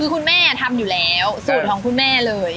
คือคุณแม่ทำอยู่แล้วสูตรของคุณแม่เลย